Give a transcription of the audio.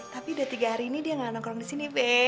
tapi udah tiga hari ini dia nggak nongkrong di sini be